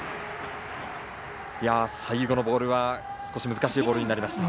最後のボールは少し難しいボールになりました。